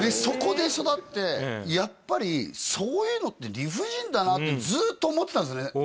そこで育ってやっぱりそういうのって理不尽だなってずっと思ってたんですね